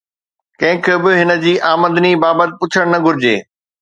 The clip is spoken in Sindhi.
ڪنهن کي به هن جي آمدني بابت پڇڻ نه گهرجي